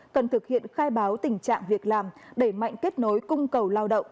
cần thực hiện khai báo tình trạng việc làm đẩy mạnh kết nối cung cầu lao động